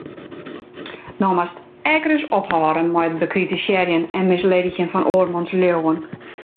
No moatst ek ris ophâlde mei it bekritisearjen en misledigjen fan oarmans leauwen.